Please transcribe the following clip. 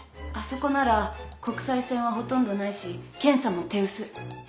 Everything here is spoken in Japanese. あそこなら国際線はほとんどないし検査も手薄。